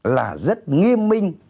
là rất nghiêm minh